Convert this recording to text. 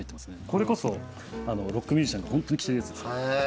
これこそロックミュージシャンが本当に着ているやつです。